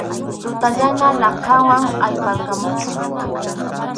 Tuta yana laqhanwan ayparqamusqa.